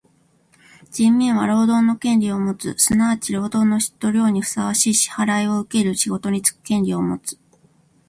人民は労働の権利をもつ。すなわち労働の質と量にふさわしい支払をうける仕事につく権利をもつ。